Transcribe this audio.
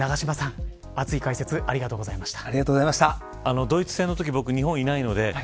西川さんありがとうございました。